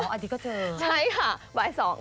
อ๋ออาทิตย์ก็เจอกัน